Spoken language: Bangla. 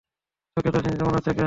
তোকে এতটা চিন্তিত মনে হচ্ছে কেন?